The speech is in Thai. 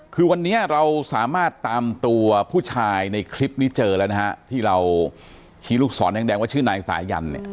คือวันนี้เราสามารถตามตัวผู้ชายในคลิปนี้เจอแล้วนะฮะที่เราชี้ลูกศรแดงว่าชื่อนายสายันเนี่ย